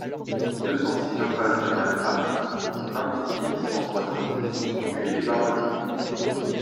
deux cent six impasse de Malgras, vingt-six mille cent soixante-dix Buis-les-Baronnies